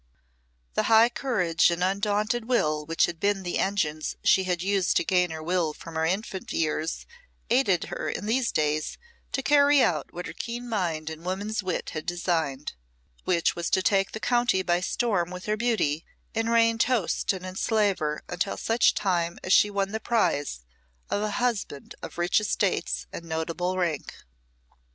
The high courage and undaunted will which had been the engines she had used to gain her will from her infant years aided her in these days to carry out what her keen mind and woman's wit had designed, which was to take the county by storm with her beauty, and reign toast and enslaver until such time as she won the prize of a husband of rich estates and notable rank.